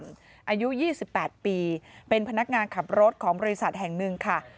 อายุ๒๘ปีเป็นพนักงานขับรถของบริษัทแห่งหนึ่งค่ะ